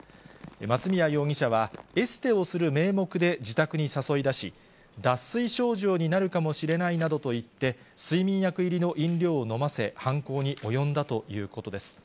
松宮容疑者は、エステをする名目で自宅に誘い出し、脱水症状になるかもしれないなどと言って、睡眠薬入りの飲料を飲ませ、犯行に及んだということです。